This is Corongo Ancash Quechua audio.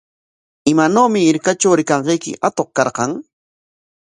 ¿Imanawmi hirkatraw rikanqayki atuq karqan?